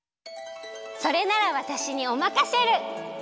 それならわたしにおまかシェル！